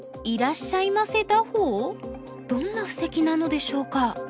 どんな布石なのでしょうか？